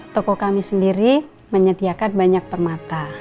toko kami sendiri menyediakan banyak permata